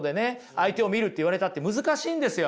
相手を見るって言われたって難しいんですよ。